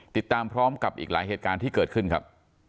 ติดตามพร้อมกับอีกหลายเหตุการณ์ที่เกิดขึ้นครับ